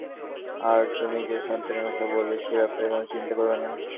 আর তুমি যে সন্তানের কথা বললে, সে ব্যাপারে কোন চিন্তা করবে না।